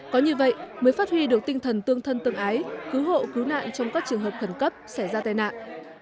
có như vậy mới phát huy được tinh thần tương thân tương ái cứu hộ cứu nạn trong các trường hợp khẩn cấp xảy ra tai nạn